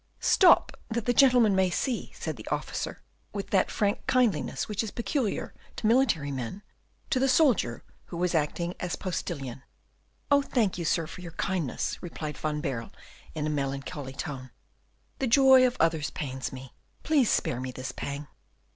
"Stop, that the gentleman may see," said the officer, with that frank kindliness which is peculiar to military men, to the soldier who was acting as postilion. "Oh, thank you, Sir, for your kindness," replied Van Baerle, in a melancholy tone; "the joy of others pains me; please spare me this pang."